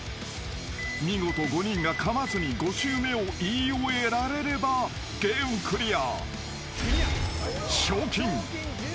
［見事５人がかまずに５周目を言い終えられればゲームクリア］